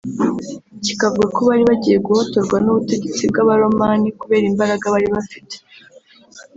kikavuga ko bari bagiye guhotorwa n’ubutegetsi bw’Abaromani kubera imbaraga bari bafite